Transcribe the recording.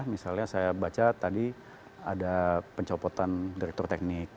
misalnya saya baca tadi ada pencopotan direktur teknik